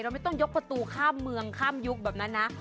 ไม่ต้องยกประตูข้ามเมืองข้ามยุคแบบนั้นนะ